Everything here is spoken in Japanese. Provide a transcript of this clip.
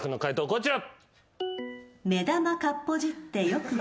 こちら。